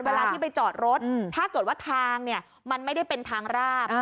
เวลาที่ไปจอดรถถ้าเกิดว่าทางเนี่ยมันไม่ได้เป็นทางราบ